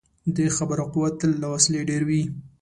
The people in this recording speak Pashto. د خبرو قوت تل له وسلې ډېر وي.